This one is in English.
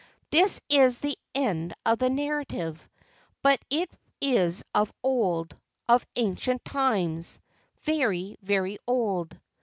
This is the end of the narrative, but it is of old, of ancient times, very, very old.